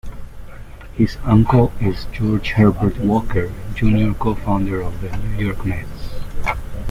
His uncle is George Herbert Walker, Junior co-founder of the New York Mets.